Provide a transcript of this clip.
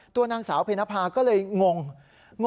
ตัวนางสาวเพนภาก็เลยงง